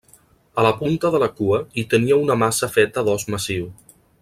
A la punta de la cua, hi tenia una maça feta d'os massiu.